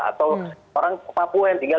atau orang papua yang tinggal